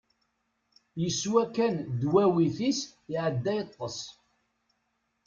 Yeswa kan ddwawit-is, iɛedda yeṭṭes.